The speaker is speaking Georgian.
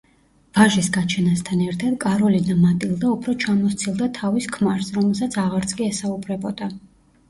ვაჟის გაჩენასთან ერთად კაროლინა მატილდა უფრო ჩამოსცილდა თავის ქმარს, რომელსაც აღარც კი ესაუბრებოდა.